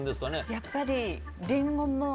やっぱり。